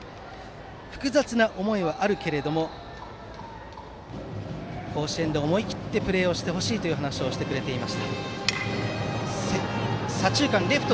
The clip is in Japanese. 複雑な思いはあるけれど甲子園で思い切ってプレーをしてほしいという話をしてくれました。